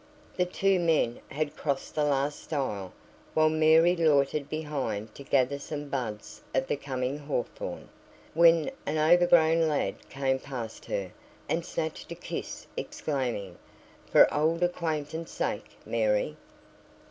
The two men had crossed the last stile while Mary loitered behind to gather some buds of the coming hawthorn, when an over grown lad came past her, and snatched a kiss, exclaiming, "For old acquaintance sake, Mary."